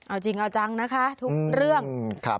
เอาจริงเอาจังนะคะทุกเรื่อง